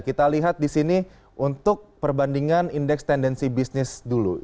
kita lihat di sini untuk perbandingan indeks tendensi bisnis dulu